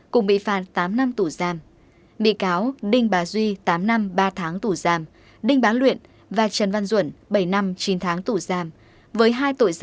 chùm bảo kê xe khách